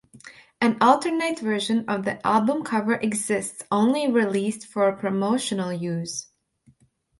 An alternate version of the album cover exists, only released for promotional use.